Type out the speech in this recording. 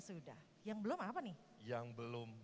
sudah yang belum apa nih yang belum